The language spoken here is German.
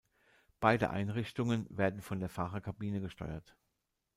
Beide Einrichtungen werden von der Fahrerkabine gesteuert.